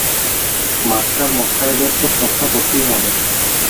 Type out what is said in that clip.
মাস্টারমশায়দের তো শ্রদ্ধা করতেই হবে।